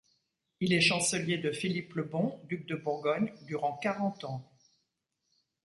Il est chancelier de Philippe le Bon, duc de Bourgogne, durant quarante ans.